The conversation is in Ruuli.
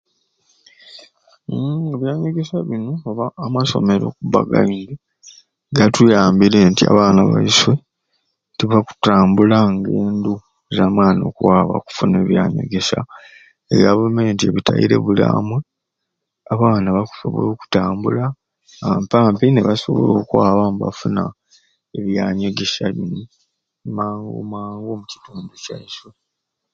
Hmmm ebyanyegesya bini oba amasomero okuba againgi gatuyambire nti abaana baiswe tibakutambula ngendo zamani okwaba okufuna ebyanyegesya, e gavumenti yagataire buli amwei abaana bakusobola okutambula ampampi nibasobola okwaba nibafuna ebyanyegesya bini mangu mangu omukitundu kyaiswe.